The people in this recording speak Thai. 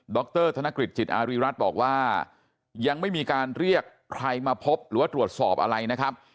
รธนกฤษจิตอารีรัฐบอกว่ายังไม่มีการเรียกใครมาพบหรือว่าตรวจสอบอะไรนะครับ